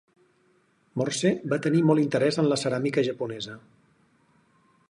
Morse va tenir molt interès en la ceràmica japonesa.